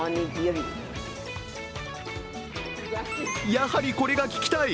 やはりこれが聞きたい。